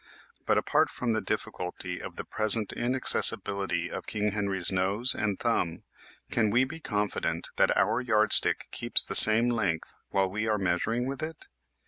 But apart from the difficulty of the present inaccessibility of King Henry's nose and thumb, can we be confident that our yardstick keeps the same length while we are measuring with it